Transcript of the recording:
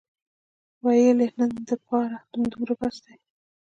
ويې ويل د نن دپاره همدومره بس دى.